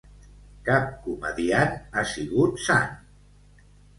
Cap comediant ha sigut sant.